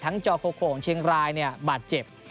จอโคโข่งเชียงรายเนี่ยบาดเจ็บ